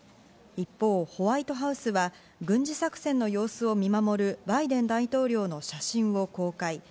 一方、ホワイトハウスは軍事作戦の様子を見守るバイデン大統領の写真を公開。